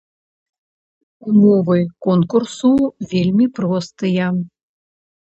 Умовы конкурсу вельмі простыя.